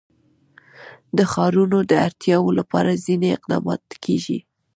د ښارونو د اړتیاوو لپاره ځینې اقدامات کېږي.